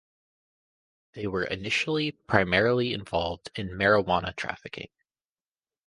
They were initially primarily involved in marijuana trafficking.